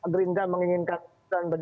pak gerinda menginginkan ibran